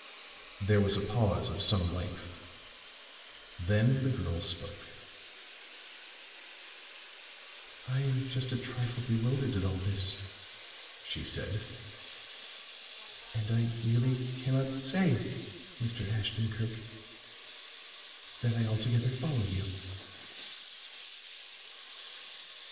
There was a pause of some length; then the girl spoke. "I am just a trifle bewildered at all this," she said; "and I really cannot say, Mr. Ashton Kirk, that I altogether follow you."